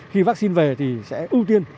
khi vaccine về thì sẽ ưu tiên